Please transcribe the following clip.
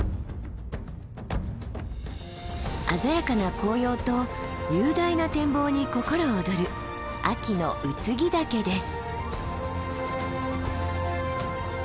鮮やかな紅葉と雄大な展望に心躍る秋の空木岳です。